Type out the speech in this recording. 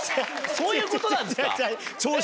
そういうことなんですか？